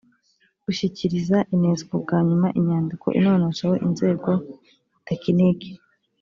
gushyikiriza unesco bwa nyuma inyandiko inonosowe inzego tekiniki